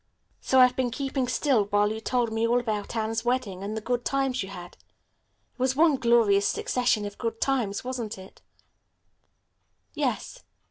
So I've been keeping still while you told me all about Anne's wedding and the good times you had. It was one glorious succession of good times, wasn't it?" "Yes."